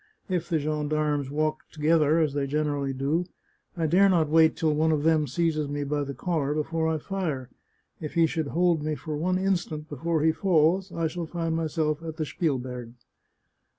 If the gendarmes walk two to gether, as they generally do, I dare not wait till one of them seizes me by the collar before I fire ; if he should hold me for one instant before he falls, I shall find myself at the Spielberg."